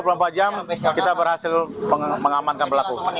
benar satu kali dua puluh empat jam kita berhasil mengamankan pelaku